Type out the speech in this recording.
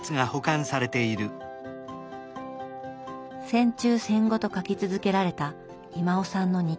戦中戦後と書き続けられた威馬雄さんの日記。